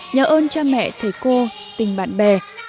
nhớ ơn cha mẹ thầy cô tình bạn bè